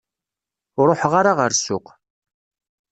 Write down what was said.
Ur ruḥeɣ ara ɣer ssuq.